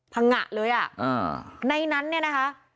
พังงะเลยอ่ะในนั้นเนี่ยนะคะอ่า